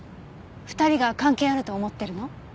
２人が関係あると思ってるの？